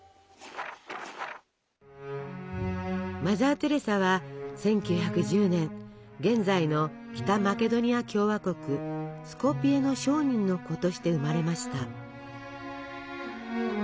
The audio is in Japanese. マザー・テレサは１９１０年現在の北マケドニア共和国スコピエの商人の子として生まれました。